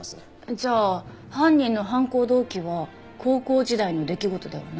じゃあ犯人の犯行動機は高校時代の出来事ではない。